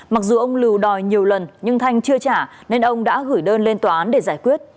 mặc dù ông lưu đòi nhiều lần nhưng thanh chưa trả nên ông đã gửi đơn lên tòa án để giải quyết